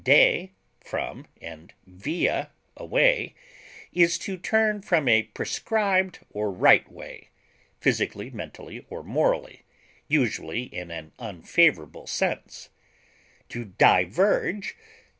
de, from, and via, a way) is to turn from a prescribed or right way, physically, mentally, or morally, usually in an unfavorable sense; to diverge (L.